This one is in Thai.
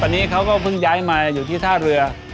ตอนนี้เขาก็เพิ่งย้ายมาอยู่ที่ท่าเรือ